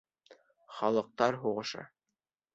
Халыҡтар һуғышы —